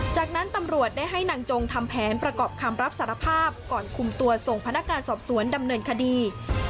จากนั้นตำรวจได้ให้นางจงทำแผนประกอบคำรับสารภาพก่อนคุมตัวส่งพนักงานสอบสวนดำเนินคดี